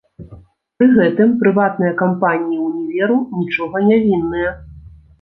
Пры гэтым прыватныя кампаніі ўніверу нічога не вінныя.